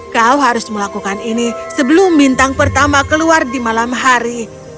kau harus melakukan ini sebelum bintang pertama keluar di malam hari